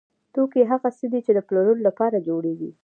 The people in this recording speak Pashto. توکي هغه څه دي چې د پلورلو لپاره جوړیږي.